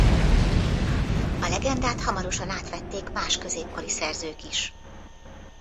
A legendát hamarosan átvették más középkori szerzők is.